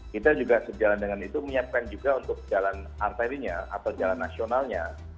kita juga sejalan dengan itu menyiapkan juga untuk jalan arterinya atau jalan nasionalnya